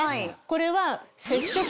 これは。